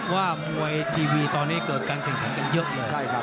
ว่ามวยทีวีตอนนี้เกิดการ